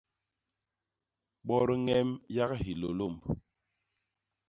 Bot ñem yak Hilôlômb.